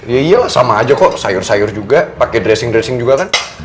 ya iyalah sama aja kok sayur sayur juga pake dressing dressing juga kan